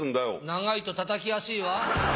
長いとたたきやすいわ。